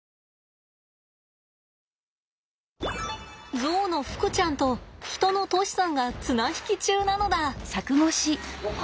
ゾウのふくちゃんとヒトの杜師さんが綱引き中なのだ。